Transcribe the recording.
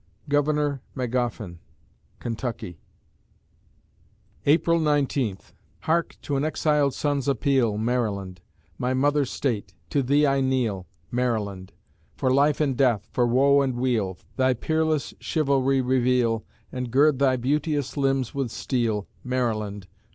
GOVERNOR MAGOFFIN (Kentucky) April Nineteenth Hark to an exiled son's appeal, Maryland! My mother State! to thee I kneel, Maryland! For life and death, for woe and weal, Thy peerless chivalry reveal, And gird thy beauteous limbs with steel, Maryland!